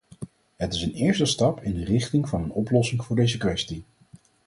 Het is een eerste stap in de richting van een oplossing voor deze kwestie.